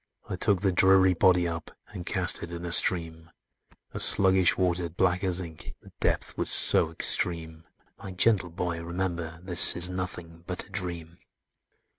"I took the dreary body up, And cast it in a stream,— A sluggish water, black as ink, The depth was so extreme: My gentle boy, remember this Is nothing but a dream!